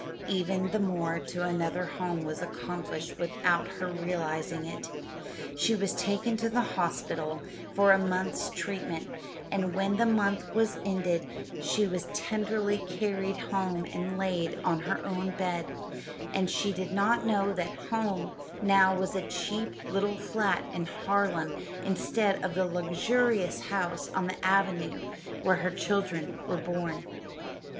Even the move to another home was accomplished without her realizing it she was taken to the hospital for a month's treatment, and when the month was ended she was tenderly carried home and laid on her own bed; and she did not know that "home" now was a cheap little flat in Harlem instead of the luxurious house on the avenue where her children were born.